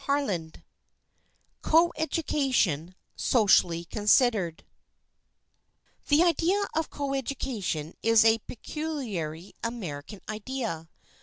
CHAPTER XIII COEDUCATION SOCIALLY CONSIDERED THE idea of coeducation is a peculiarly American idea.